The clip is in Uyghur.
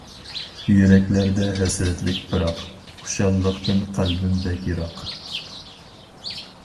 يۈرەكلەردە ھەسرەتلىك پىراق، خۇشاللىقتىن قەلبىم بەك يىراق.